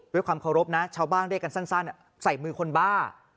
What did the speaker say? ด้วยความเคารพนะชาวบ้านเรียกกันสั้นใส่มือคนบ้า